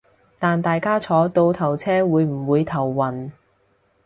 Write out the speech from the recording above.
但大家坐倒頭車會唔會頭暈